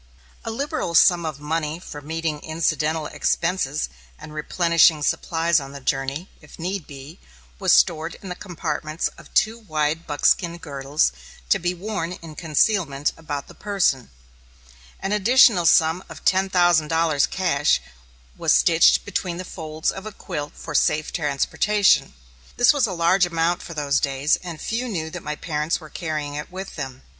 A liberal sum of money for meeting incidental expenses and replenishing supplies on the journey, if need be, was stored in the compartments of two wide buckskin girdles, to be worn in concealment about the person. An additional sum of ten thousand dollars, cash, was stitched between the folds of a quilt for safe transportation. This was a large amount for those days, and few knew that my parents were carrying it with them.